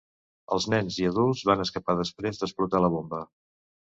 Els nens i adults van escapar després d'explotar la bomba.